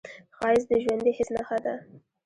ښایست د ژوندي حس نښه ده